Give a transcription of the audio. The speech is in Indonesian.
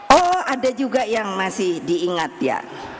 oh ada juga yang masih diingat ya